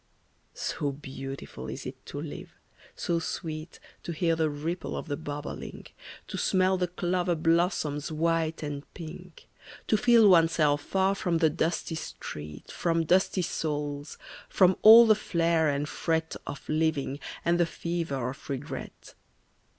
So beautiful is it to live, so sweet To hear the ripple of the bobolink, To smell the clover blossoms white and pink, To feel oneself far from the dusty street, From dusty souls, from all the flare and fret Of living, and the fever of regret.